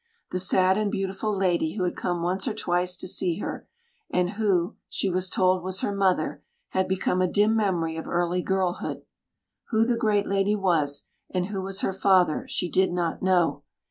The sad and beautiful lady who had come once or twice to see her, and who, she was told, was her mother, had become a dim memory of early girlhood. Who the great lady was, and who was her father, she did not know.